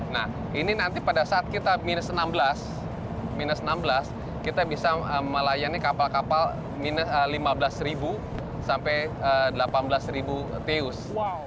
nah ini nanti pada saat kita minus enam belas kita bisa melayani kapal kapal minus lima belas ribu sampai delapan belas ribu teus